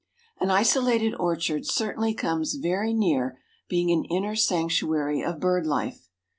_ An isolated orchard certainly comes very near being an inner sanctuary of bird life.